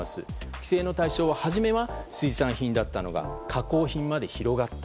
規制の対象は初めは水産品だったのが加工品まで広がった。